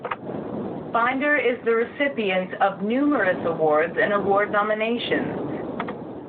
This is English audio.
Finder is the recipient of numerous awards and award nominations.